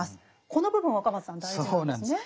この部分若松さん大事なんですね。